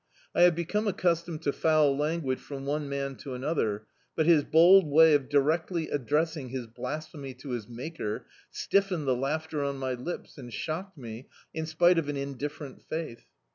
I have become accustoned to foul language from one man to another, but his bold way of directly addressii^ his blasphemy to his Maker, stiffened the laughter on my lips, and shocked me, in spite of an indifferent faith.